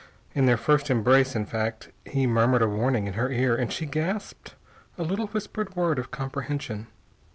In their first embrace, in fact, he murmured a warning in her ear and she gasped a little whispered word of comprehension.